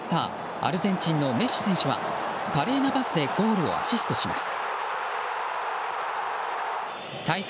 アルゼンチンのメッシ選手は華麗なパスでゴールをアシストします。